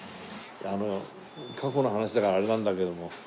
過去の話だからあれなんだけども。